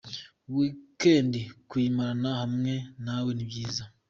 Weekend kuyimarana hamwe nawe ni byiza.